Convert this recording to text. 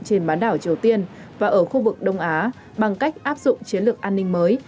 trên bán đảo triều tiên và ở khu vực đông á bằng cách áp dụng chiến lược an ninh mới